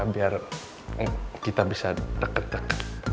biar kita bisa deket deket